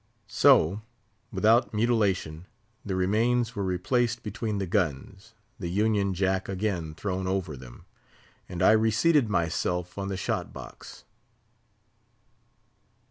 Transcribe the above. So, without mutilation, the remains were replaced between the guns, the union jack again thrown over them, and I reseated myself on the shot box.